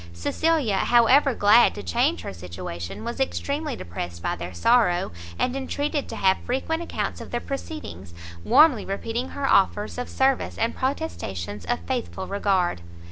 Cecilia, however glad to change her situation, was extremely depressed by their sorrow, and entreated to have frequent accounts of their proceedings, warmly repeating her offers of service, and protestations of faithful regard.